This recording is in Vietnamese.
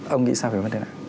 ông nghĩ sao về vấn đề này